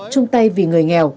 chung tay vì người nghèo